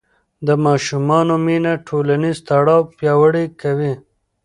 د ماشوم مینه ټولنیز تړاو پیاوړی کوي.